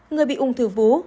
người bị ung thư vú